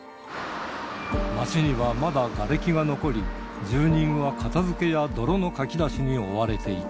町にはまだがれきが残り、住人は片づけや泥のかき出しに追われていた。